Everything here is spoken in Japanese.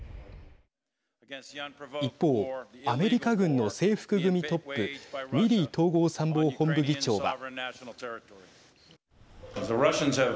一方、アメリカ軍の制服組トップミリー統合参謀本部議長は。